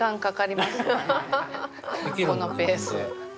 このペース。